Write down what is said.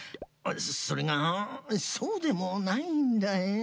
それがそうでもないんだよ。